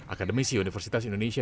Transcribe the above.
akademisi universitas indonesia